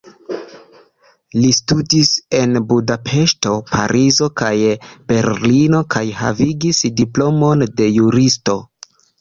Li studis en Budapeŝto, Parizo kaj Berlino kaj havigis diplomon de juristo.